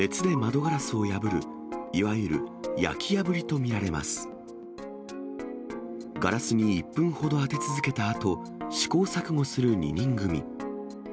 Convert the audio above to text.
ガラスに１分ほど当て続けたあと、試行錯誤する２人組。